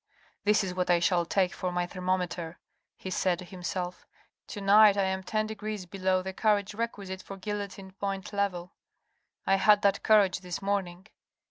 " This is what I shall take for my thermometer," he said to himself. "To night I am ten degrees below the courage requisite for guillotine point level. I had that courage this morning.